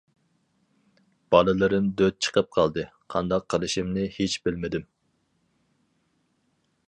-بالىلىرىم دۆت چىقىپ قالدى، قانداق قىلىشىمنى ھېچ بىلمىدىم.